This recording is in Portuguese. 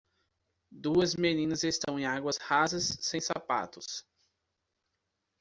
Duas meninas estão em águas rasas sem sapatos.